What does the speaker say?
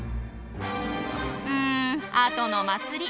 うんあとの祭り。